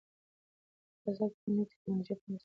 په فضا کې د نوې ټیکنالوژۍ په مرسته د ژوند نښې لټول کیږي.